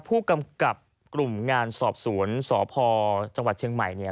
ผู้กำกับกลุ่มงานสอบสวนสพจังหวัดเชียงใหม่เนี่ย